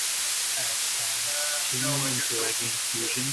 add songs tune in Reggae Infusions